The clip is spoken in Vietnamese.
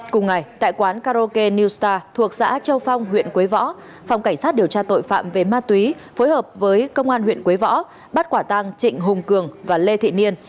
cùng ngày tại quán karaoke newsar thuộc xã châu phong huyện quế võ phòng cảnh sát điều tra tội phạm về ma túy phối hợp với công an huyện quế võ bắt quả tang trịnh hùng cường và lê thị niên